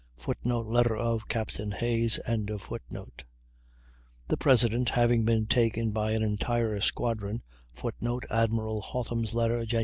[Footnote: Letter of Capt. Hayes.] The President having been taken by an entire squadron, [Footnote: Admiral Hotham's letter, Jan.